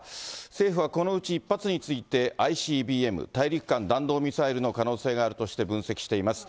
政府はこのうち１発について、ＩＣＢＭ・大陸間弾道ミサイルの可能性があるとして分析しています。